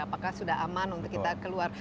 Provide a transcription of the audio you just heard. apakah sudah aman untuk kita keluar